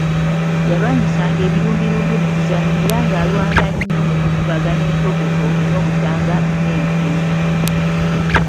Yalwanyisanga ebirumbirumbi mu kuzannya era ng'alwana nnyo mu kukubagana entooketooke n'obutanga n'entengo.